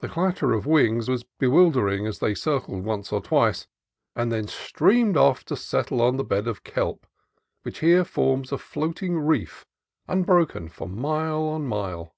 The clatter of wings was be wildering as they circled once or twice and then streamed off to settle on the belt of kelp which here forms a floating reef unbroken for mile on mile.